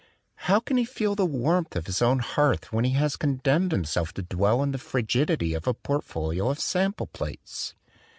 How can he feel the warmth of his own hearth when he has con demned himself to dwell in the frigidity of a portfolio of sample plates?